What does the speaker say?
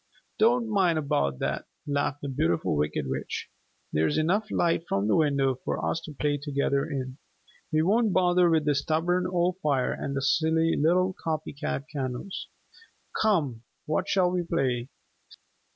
"Don't mind about that," laughed the Beautiful Wicked Witch. "There's enough light from the window for us to play together in. We won't bother with the stubborn old fire and the silly little copy cat candles. Come, what shall we play?"